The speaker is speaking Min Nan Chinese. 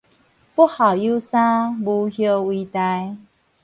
不孝有三，無後為大